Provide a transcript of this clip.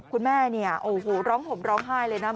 คุณแม่เนี่ยโอ้โหร้องห่มร้องไห้เลยนะ